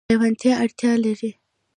حیوانات اړتیا لري.